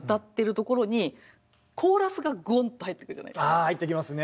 あ入ってきますね。